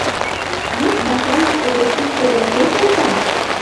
— Ик пашамак тыге чӱчкыдын кӧ терга?